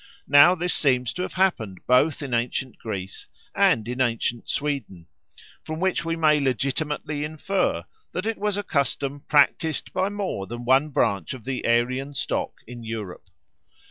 Now this seems to have happened both in ancient Greece and in ancient Sweden; from which we may legitimately infer that it was a custom practised by more than one branch of the Aryan stock in Europe.